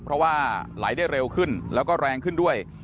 เพราะว่าไหลได้เร็วขึ้นแล้วก็แรงขึ้นด้วย